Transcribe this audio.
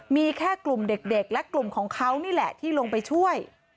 มีแค่กลุ่มเด็กและกลุ่มของเขานี่แหละที่ลงไปช่วย